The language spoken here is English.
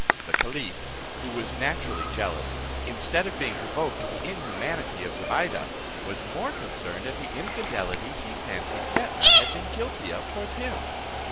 The caliph, who was naturally jealous, instead of being provoked at the inhumanity of Zobeide, was more concerned at the infidelity he fancied Fetnah had been guilty of towards him.